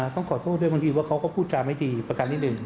ต้องขอโทษด้วยบางทีว่าเขาก็พูดจาไม่ดีประกันนิดหนึ่ง